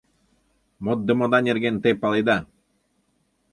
Моддымыда нерген те паледа!